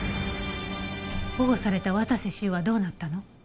保護された綿瀬修はどうなったの？